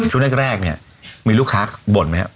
ช่วงแรกเนี่ยมีลูกค้าบ่นไหมครับ